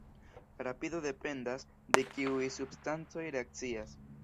La rapido dependas de kiuj substancoj reakcias.